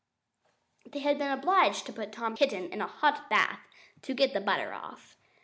They had been obliged to put Tom Kitten into a hot bath to get the butter off.